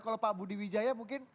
kalau pak budi wijaya mungkin